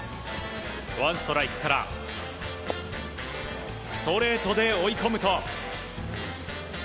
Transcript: ワンストライクからストレートで追い込むと。